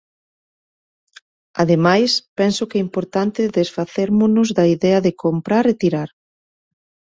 Ademais, penso que é importante desfacérmonos da idea de comprar e tirar.